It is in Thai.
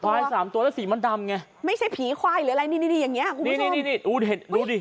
ควายสามตัวแล้วสีมันดำไงไม่ใช่ผีควายหรืออะไรนี่นี่นี่